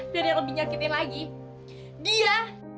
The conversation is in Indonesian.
dan yang lebih nyakitin lagi dia